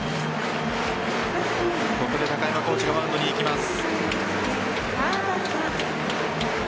ここで高山コーチがマウンドに行きます。